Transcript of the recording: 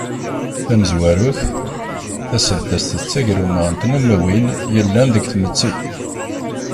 Tamezwarut, taseddast d tagruma n tnummiwin yellan deg tmetti.